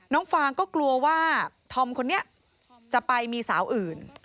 ฟางก็กลัวว่าธอมคนนี้จะไปมีสาวอื่น